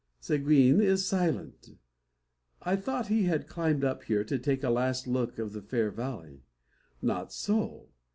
Seguin is silent. I thought he had climbed up here to take a last look of the fair valley. Not so.